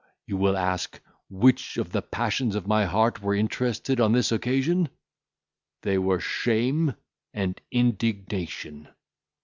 You will ask, which of the passions of my heart were interested on this occasion? they were shame and indignation.